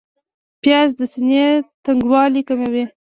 پیاز د سینې تنګوالی کموي